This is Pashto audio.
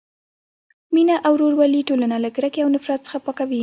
مینه او ورورولي ټولنه له کرکې او نفرت څخه پاکوي.